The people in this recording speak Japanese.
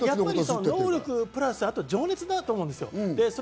能力プラス、あと情熱だと思います。